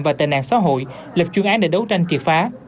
và tệ nạn xã hội lập chuyên án để đấu tranh triệt phá